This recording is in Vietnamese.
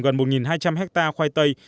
gần một hai trăm linh hectare khoai tây